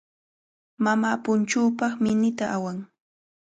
Mamaa punchuupaq minita awan.